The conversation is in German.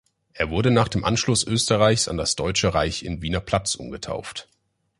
Er wurde nach dem Anschluss Österreichs an das Deutsche Reich in „Wiener Platz“ umgetauft.